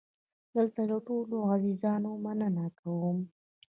دلته له ټولو عزیزانو مننه کوم.